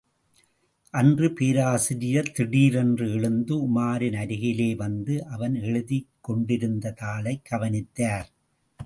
அன்று பேராசிரியர் திடீரென்று எழுந்து உமாரின் அருகிலே வந்து அவன் எழுதிக் கொண்டிருந்த தாளை கவனித்தார்.